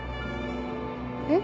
えっ？